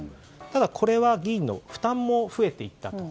ただ、これで議員の負担も増えていったと。